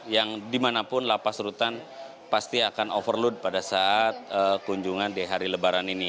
karena yang dimanapun lapas rutan pasti akan overload pada saat kunjungan di hari lebaran ini